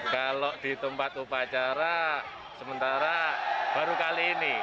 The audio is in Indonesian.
kalau di tempat upacara sementara baru kali ini